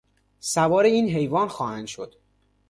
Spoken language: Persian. سوار این حیوان خواهند شد.